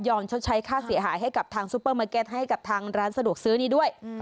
ชดใช้ค่าเสียหายให้กับทางซูเปอร์มาร์เก็ตให้กับทางร้านสะดวกซื้อนี้ด้วย